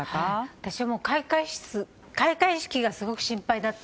私は開会式がすごく心配だった。